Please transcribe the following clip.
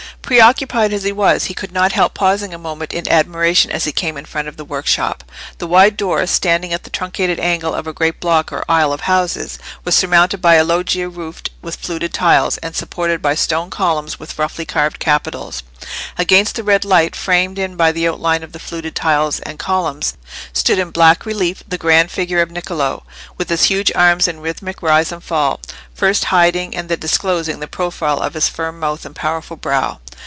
Preoccupied as he was, he could not help pausing a moment in admiration as he came in front of the workshop. The wide doorway, standing at the truncated angle of a great block or "isle" of houses, was surmounted by a loggia roofed with fluted tiles, and supported by stone columns with roughly carved capitals. Against the red light framed in by the outline of the fluted tiles and columns stood in black relief the grand figure of Niccolò, with his huge arms in rhythmic rise and fall, first hiding and then disclosing the profile of his firm mouth and powerful brow.